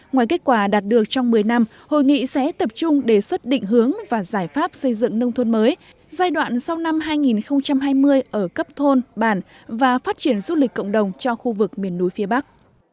ngoài kết quả đạt được trong một mươi năm hội nghị sẽ tập trung đề xuất định hướng và giải pháp xây dựng nông thôn mới giai đoạn sau năm hai nghìn hai mươi ở cấp thôn bản và phát triển du lịch cộng đồng cho khu vực miền núi phía bắc